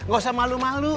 gak usah malu malu